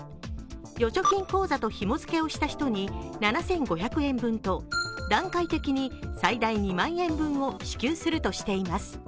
預貯金口座とひも付けをした人に７５００円分と段階的に最大２万円分を支給するとしています。